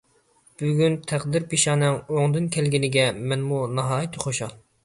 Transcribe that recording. بۈگۈن تەقدىر - پېشانەڭ ئوڭدىن كەلگىنىگە مەنمۇ ناھايىتى خۇشال.